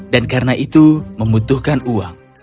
dan karena itu membutuhkan uang